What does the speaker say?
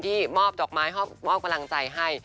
มอบดอกไม้มอบกำลังใจให้